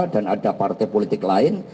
dan ada partai politik lain